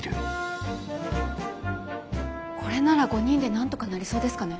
これなら５人でなんとかなりそうですかね。